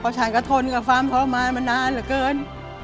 ฉันก็ทนกับความทรมานมานานเหลือเกิน